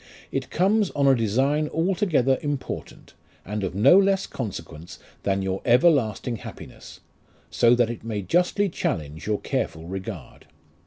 It comes on a design altogether important, and of no less consequence than your everlasting happiness, so that it may justly challenge your careful regard.